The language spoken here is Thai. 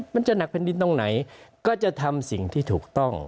มันจะหนักแผ่นดินตรงไหนก็จะทำสิ่งที่ถูกต้อง